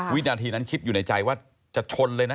วินาทีนั้นคิดอยู่ในใจว่าจะชนเลยนะ